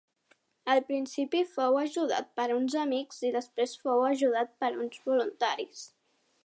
Al principi fou ajudat per uns amics i després fou ajudat per uns voluntaris.